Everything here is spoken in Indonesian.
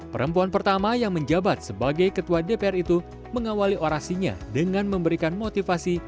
perempuan pertama yang menjabat sebagai ketua dpr itu mengawali orasinya dengan memberikan motivasi